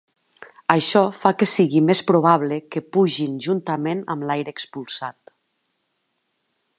Això fa que sigui més probable que pugin juntament amb l'aire expulsat.